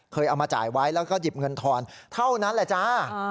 เอามาจ่ายไว้แล้วก็หยิบเงินทอนเท่านั้นแหละจ้า